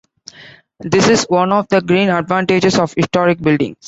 This is one of the "green" advantages of historic buildings.